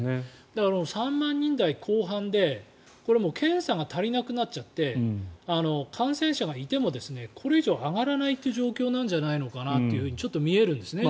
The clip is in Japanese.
だから、３万人台後半で検査が足りなくなっちゃって感染者がいてもこれ以上上がらないという状況なんじゃないのかなっていうふうにちょっと見えるんですね。